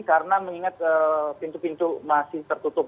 karena mengingat pintu pintu masih tertutup